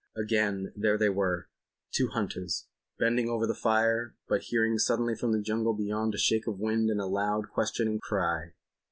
Again, there they were—two hunters, bending over their fire, but hearing suddenly from the jungle beyond a shake of wind and a loud, questioning cry.